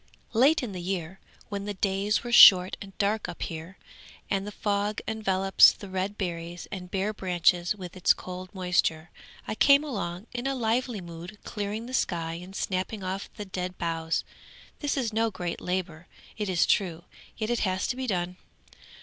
'_] 'Late in the year, when the days were short and dark up here, and the fog envelops the red berries and bare branches with its cold moisture, I came along in a lively mood clearing the sky and snapping off the dead boughs. This is no great labour, it is true, yet it has to be done.